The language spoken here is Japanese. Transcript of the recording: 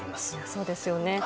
そうですよね。